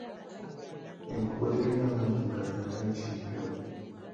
Enkoko terina mannyo gagaaya kintu.